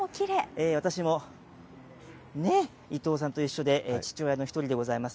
私も、ねぇ、伊藤さんと一緒で父親の一人でございます。